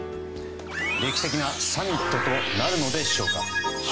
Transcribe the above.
歴史的なサミットとなるのでしょうか。